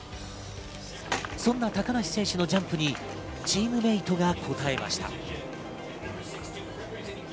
そんな高梨選手のジャンプにチームメートが応えました。